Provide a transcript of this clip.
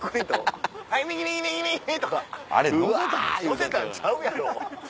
のせたんちゃうやろ。